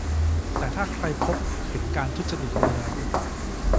แต่ถ้าใครพบเห็นการทุจริตเลือ